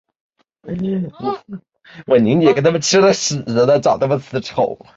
我们不妨将一枚计数管看作数个冷阴极充气管被封装在同一个玻璃泡内。